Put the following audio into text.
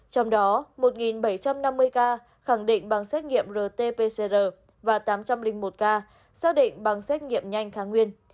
trong đó một bảy trăm năm mươi ca khẳng định bằng xét nghiệm rt pcr và tám trăm linh một ca xác định bằng xét nghiệm nhanh kháng nguyên